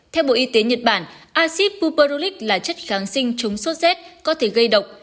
theo bộ y tế nhật bản acid buperulic là chất kháng sinh chống sốt rét có thể gây độc